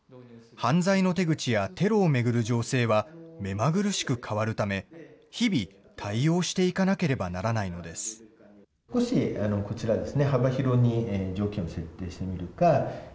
犯罪の手口やテロを巡る情勢は、目まぐるしく変わるため、日々対応していかなければならないのです。